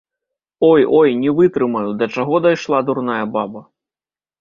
Ой, ой, не вытрымаю, да чаго дайшла дурная баба!